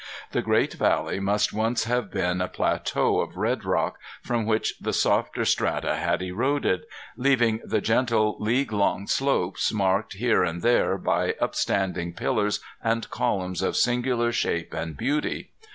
The great valley must once have been a plateau of red rock from which the softer strata had eroded, leaving the gentle league long slopes marked here and there by upstanding pillars and columns of singular shape and beauty.